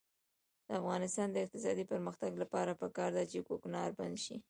د افغانستان د اقتصادي پرمختګ لپاره پکار ده چې کوکنار بند شي.